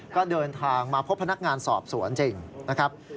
ก็เดินทางมาพบพนักงานสอบสวนจริงนะครับ